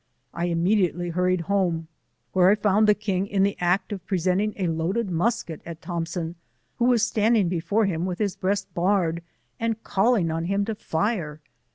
I immediately hurried home, where I found the king in the act of presenting a loaded musket at Thomp 1 66 gon» who was standing before him with his breast bared and calling on him to fire.